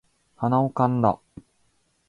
鼻をかんだ